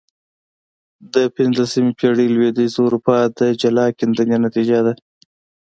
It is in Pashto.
د پنځلسمې پېړۍ لوېدیځه اروپا د جلا کېدنې نتیجه ده.